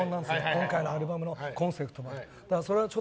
今回のアルバムのコンセプトとか。